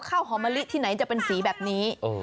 ข้าวหอมมะลิที่ไหนจะเป็นสีแบบนี้